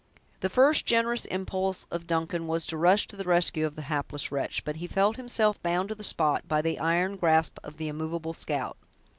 The first generous impulse of Duncan was to rush to the rescue of the hapless wretch; but he felt himself bound to the spot by the iron grasp of the immovable scout.